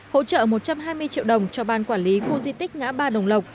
hỗ trợ một trăm hai mươi triệu đồng cho ban quản lý khu di tích ngã ba đồng lộc